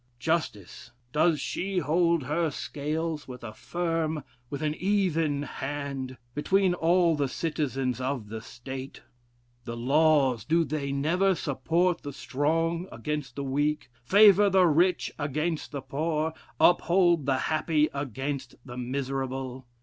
Justice, does she hold her scales with a firm, with an even hand, between all the citizens of the state? The laws, do they never support the strong against the weak, favor the rich against the poor, uphold the happy against the miserable?